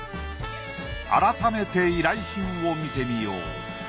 改めて依頼品を見てみよう。